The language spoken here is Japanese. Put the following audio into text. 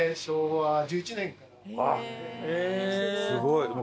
すごい。